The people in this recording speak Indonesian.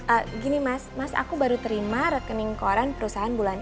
e gini mas aku baru terima rekening koran perusahaan bulan ini